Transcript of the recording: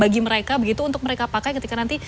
bagi mereka begitu untuk mereka pakai ketika nanti